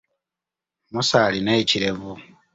Musa alina ekirevu.